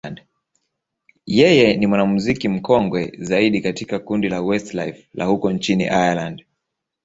yeye ni mwanamuziki mkongwe zaidi katika kundi la Westlife la huko nchini Ireland.